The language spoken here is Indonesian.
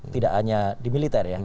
tidak hanya di militer ya